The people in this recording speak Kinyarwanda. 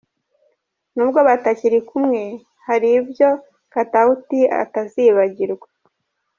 Nubwo batakiri kumwe hari ibyo Katauti atazibagirwa.